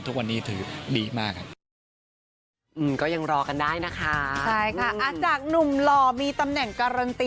ทุกวันนี้ถือดีมาก